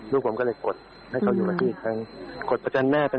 ลูกผมก็เลยกดให้เขาอยู่กับที่อีกครั้งกดประกันแม่ไป